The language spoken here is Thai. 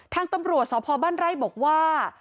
ทางตำรวจสพบ้านไร่บอกว่า